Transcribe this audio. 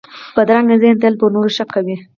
بدرنګه ذهن تل پر نورو شک کوي